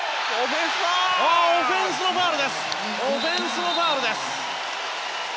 しかしオフェンスのファウルです。